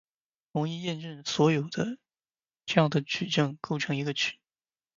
容易验证所有这样的矩阵构成一个群。